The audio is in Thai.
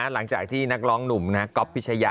หลังจากที่นักร้องหนุ่มก๊อฟพิชยะ